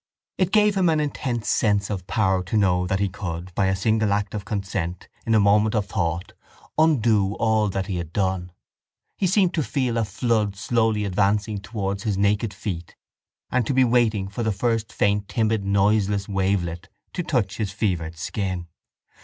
It gave him an intense sense of power to know that he could, by a single act of consent, in a moment of thought, undo all that he had done. He seemed to feel a flood slowly advancing towards his naked feet and to be waiting for the first faint timid noiseless wavelet to touch his fevered skin.